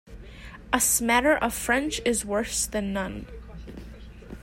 A smatter of French is worse than none.